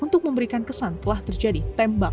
untuk memberikan kesan telah terjadi tembak